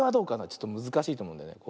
ちょっとむずかしいとおもうんだよね。